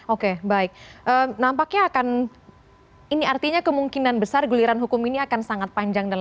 oke baik nampaknya akan ini artinya kemungkinan besar guliran hukum ini akan sangat panjang